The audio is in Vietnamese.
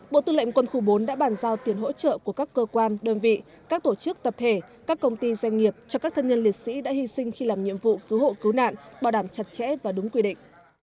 bộ tư lệnh quân khu bốn đã bàn giao tiền hỗ trợ của các cơ quan đơn vị các tổ chức tập thể các công ty doanh nghiệp cho các thân nhân liệt sĩ đã hy sinh khi làm nhiệm vụ cứu hộ cứu nạn bảo đảm chặt chẽ và đúng quy định